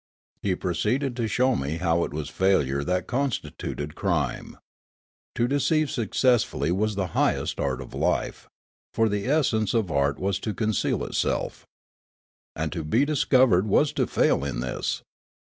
He proceeded to show me how it was failure that con stituted crime. To deceive successfull}' was the highest art of life ; for the essence of art was to conceal itself. And to be discovered was to fail in this.